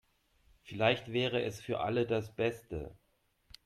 Vielleicht wäre es für alle das Beste.